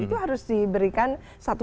itu harus diberikan satu